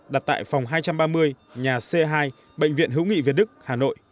đặt tại phòng hai trăm ba mươi nhà c hai bệnh viện hữu nghị việt đức hà nội